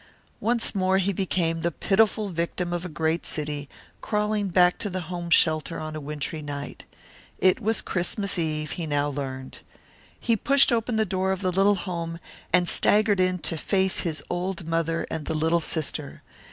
Once more he became the pitiful victim of a great city, crawling back to the home shelter on a wintry night. It was Christmas eve, he now learned. He pushed open the door of the little home and staggered in to face his old mother and the little sister.